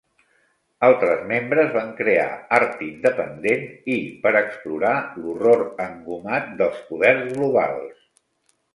Altres membres van crear art independent i per explorar l'"horror engomat dels poders globals"